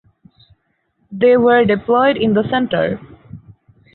They were deployed in the centre.